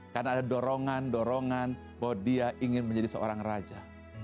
karena ada dorongan dorongan bahwa dia ingin menjadi seorang raja